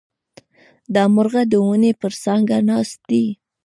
دا مرغه د ونې پر څانګه ناست دی.